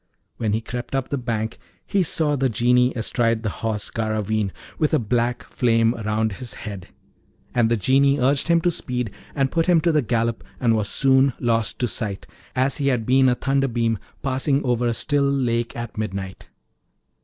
When he crept up the banks he saw the Genie astride the Horse Garraveen, with a black flame round his head; and the Genie urged him to speed and put him to the gallop, and was soon lost to sight, as he had been a thunderbeam passing over a still lake at midnight.